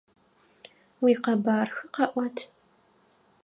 Уикъэбархэ къэӏуат!